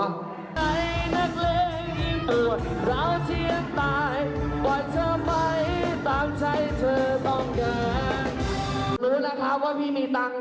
รู้นะคะว่าพี่มีตังค์